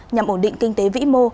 nhằm ổn định kinh tế vĩ mô